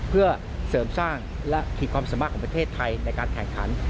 เพื่อเสริมสร้างและขีดความสามารถของประเทศไทยในการแข่งขัน